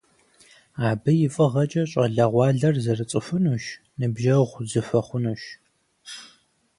Абы и фӀыгъэкӀэ щӀалэгъуалэр зэрыцӀыхунущ, ныбжьэгъу зэхуэхъунущ.